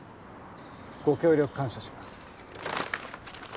ご協力感謝します。